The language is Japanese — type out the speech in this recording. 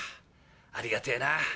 ありがてえな。